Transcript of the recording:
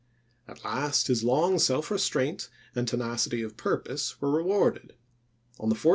At last his long self restraint and tenacity of purpose were rewarded. On the sept.